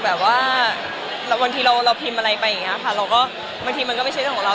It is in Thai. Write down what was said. บางทีเราพริมอะไรไปก็ไม่ใช่เป็นของเรา